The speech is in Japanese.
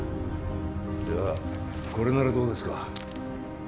ではこれならどうですか？